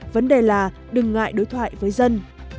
vấn đề là đừng ngại đối thoại với dân